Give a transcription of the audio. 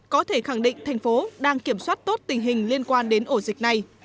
có thể khẳng định thành phố đang kiểm soát tốt tình hình liên quan đến ổ dịch này